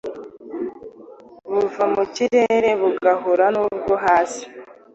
buva mu kirere bugahura n’ubwo hasi,